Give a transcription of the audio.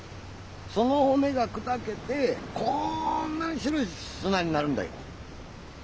その骨が砕けてこんなに白い砂になるんだよ。